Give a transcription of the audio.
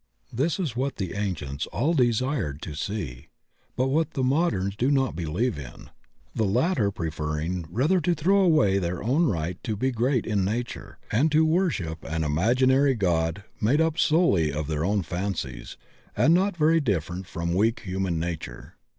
This is what the ancients all de sired to see, but what the modems do not believe in, the latter preferring rather to throw away their own ri^t to be great in nature, and to worship an imagi nary god made up solely of their own fancies and not very different from weak human nature.